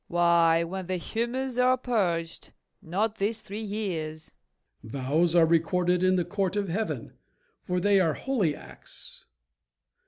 FAULKNER. Why, when the humors are purged, not this three years. MORE. Vows are recorded in the court of Heaven, For they are holy acts.